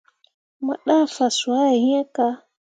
Mo ɗah fazwãhe iŋ kah.